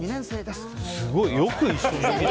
すごい、よく一緒に。